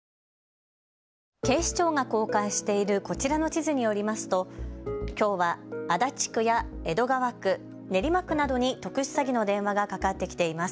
警視庁が公開しているこちらの地図によりますときょうは足立区や江戸川区、練馬区などに特殊詐欺の電話がかかってきています。